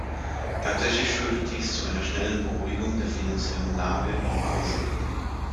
Tatsächlich führte dies zu einer schnellen Beruhigung der finanziellen Lage in Basel.